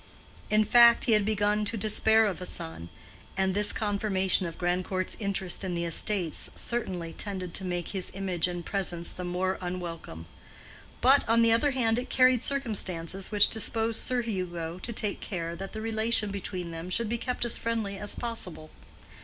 In fact, he had begun to despair of a son, and this confirmation of Grandcourt's interest in the estates certainly tended to make his image and presence the more unwelcome; but, on the other hand, it carried circumstances which disposed Sir Hugo to take care that the relation between them should be kept as friendly as possible.